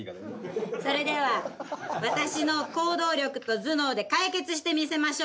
それでは私の行動力と頭脳で解決してみせましょう。